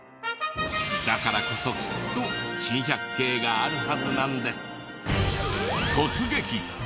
だからこそきっと珍百景があるはずなんです。